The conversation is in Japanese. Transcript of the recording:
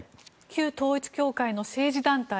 旧統一教会の政治団体